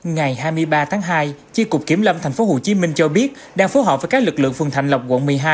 ngày hai mươi ba tháng hai chi cục kiểm lâm tp hcm cho biết đang phối hợp với các lực lượng phương thạnh lộc quận một mươi hai